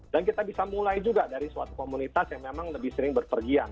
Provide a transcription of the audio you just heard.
dan kita bisa mulai juga dari suatu komunitas yang memang lebih sering berpergian